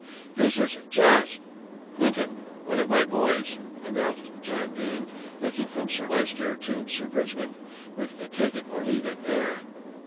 "This is Jasp. Quinton, one of my boys," announced John Dene, looking from Sir Lyster to Sir Bridgman with a "take it or leave it" air.